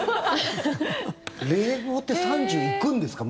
冷房って３０行くんですか？